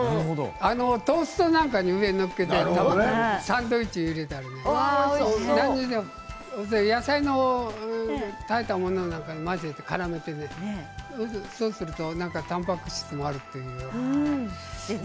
トーストなんかの上に載せて食べたりサンドイッチとか何にでも野菜の炊いたものなんかに混ぜてからめてそうするとたんぱく質もあるしね。